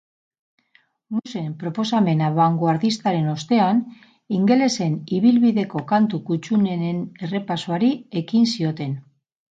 Musen proposamen abangoardistaren ostean, ingelesen ibilbideko kantu kuttunenen errepasoari ekin zioten.